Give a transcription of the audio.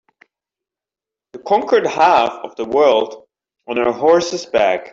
The conquered half of the world on her horse's back.